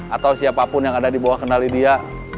atau siapapun yang ada di bawah kendali dia